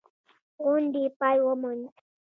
غونډې پای وموند.